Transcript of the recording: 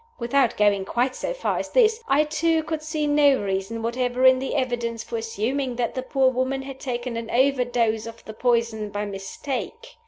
Without going quite so far as this, I, too, could see no reason whatever in the evidence for assuming that the poor woman had taken an overdose of the poison by mistake.